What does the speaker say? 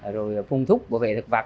rồi phun thúc bộ vệ thực vật